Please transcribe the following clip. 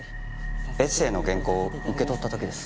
エッセーの原稿を受け取った時です。